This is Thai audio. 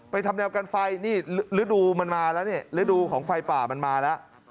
ไปทำแนวการไฟนี่ฤดูของไฟป่ามันมาแล้ว